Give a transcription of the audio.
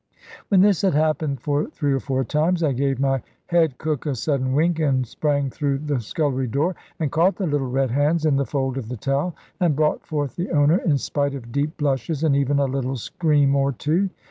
When this had happened for three or four times, I gave my head cook a sudden wink, and sprang through the scullery door and caught the little red hands in the fold of the towel, and brought forth the owner, in spite of deep blushes, and even a little scream or two.